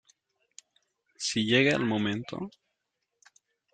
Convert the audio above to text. si llega el momento...